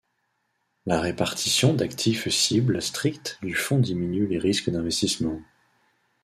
La répartition d'actifs cible stricte du Fonds diminue les risques d'investissement.